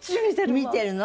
見てるの？